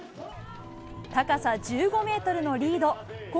高さ１５メートルのリード。